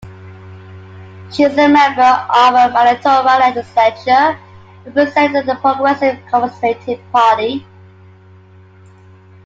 She is a member of the Manitoba legislature, representing the Progressive Conservative Party.